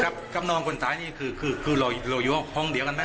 กับนองคนสายนี้คือเราอยู่ห้องเหลี่ยวกันมาก